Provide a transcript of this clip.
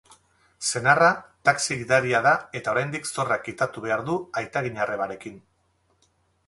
Senarra taxi gidaria da eta oraindik zorra kitatu behar du aitaginarrebarekin.